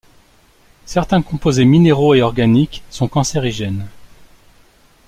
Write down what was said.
Certains composés minéraux et organiques sont cancérigènes.